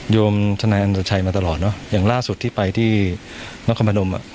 โยมทนายอันตชัยมาตลอดเนอะอย่างล่าสุดที่ไปที่นครพนมอ่ะ